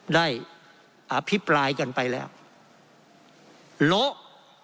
อภิปรายกันไปแล้วโละ